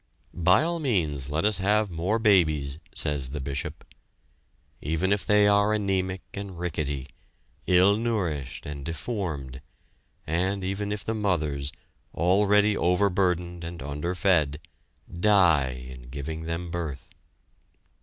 "By all means let us have more babies," says the Bishop. Even if they are anemic and rickety, ill nourished and deformed, and even if the mothers, already overburdened and underfed, die in giving them birth?